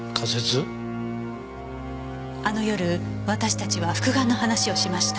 あの夜私たちは復顔の話をしました。